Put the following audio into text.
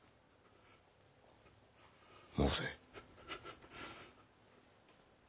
申せ。